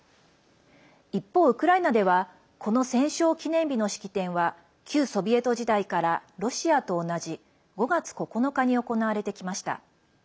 一方、ウクライナではこの戦勝記念日の式典は旧ソビエト時代からロシアと同じ５月９日に行われてきました。